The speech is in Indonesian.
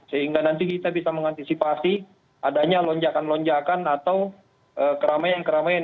sehingga nanti kita bisa mengantisipasi adanya lonjakan lonjakan atau keramaian keramaian